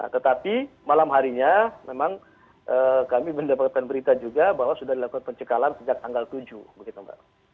tetapi malam harinya memang kami mendapatkan berita juga bahwa sudah dilakukan pencekalan sejak tanggal tujuh begitu mbak